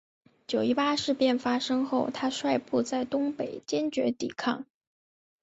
九一八事变发生后他率部在东北坚决抵抗。